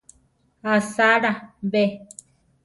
¿Asáala be?